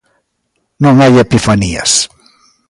Non hai epifanías.